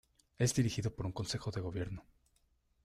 Es dirigido por un Consejo de Gobierno.